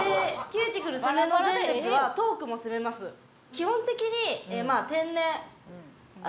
基本的に。